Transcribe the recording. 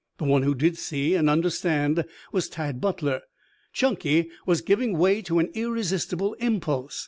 The one who did see and understand was Tad Butler. Chunky was giving way to an irresistible impulse.